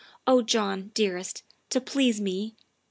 Oh John, dearest, to please me."